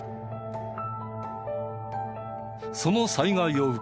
その災害を受け